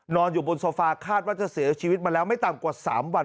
อยู่บนโซฟาคาดว่าจะเสียชีวิตมาแล้วไม่ต่ำกว่า๓วัน